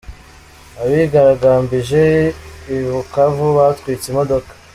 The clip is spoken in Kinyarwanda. Abigaragambije i Bukavu batwitse imodoka